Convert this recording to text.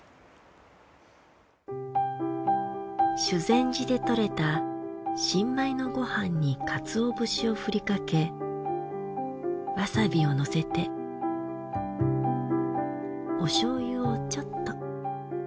修善寺で採れた新米のごはんにかつお節をふりかけわさびを乗せておしょうゆをちょっと。